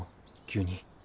急に。